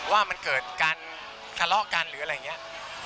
ว่ามันเกิดการทะเลาะกันหรืออะไรอย่างนี้